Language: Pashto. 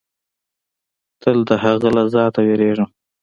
تل د هغه له ذاته وېرېدم.